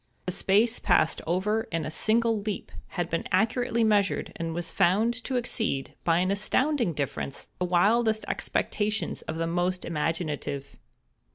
The space passed over in a single leap had been accurately measured, and was found to exceed, by an astounding difference, the wildest expectations of the most imaginative.